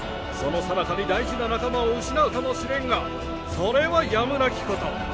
そのさなかに大事な仲間を失うかもしれんがそれはやむなきこと。